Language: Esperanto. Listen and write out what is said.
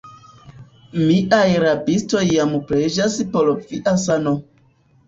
Miaj rabistoj jam preĝas por via sano.